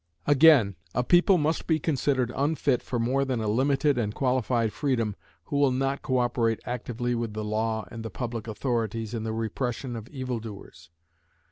Again, a people must be considered unfit for more than a limited and qualified freedom who will not co operate actively with the law and the public authorities in the repression of evil doers.